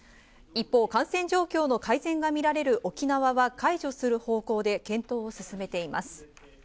一方、感染状況の改善が見られる沖縄は解除する方向で検討を進めています。